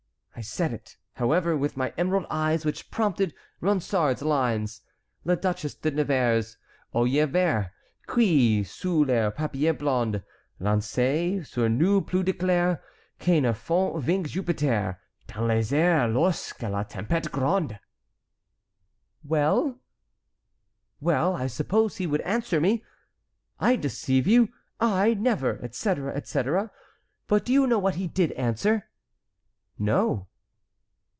'—I said it, however, with my emerald eyes which prompted Ronsard's lines: "'La Duchesse de Nevers, Aux yeux verts, Qui, sous leur paupière blonde Lancent sur nous plus d'éclairs Que ne font vingt Jupiters Dans les airs Lorsque la tempête gronde.'" "Well?" "Well, I supposed he would answer me: 'I deceive you! I! never! etc., etc.' But do you know what he did answer?" "No."